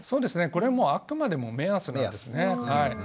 これはもうあくまでも目安なんですね。